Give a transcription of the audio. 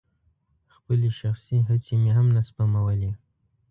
خپلې شخصي هڅې مې هم نه سپمولې.